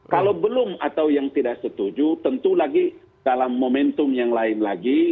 kalau belum atau yang tidak setuju tentu lagi dalam momentum yang lain lagi